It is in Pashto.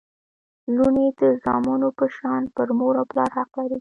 لوڼي د زامنو په شان پر مور او پلار حق لري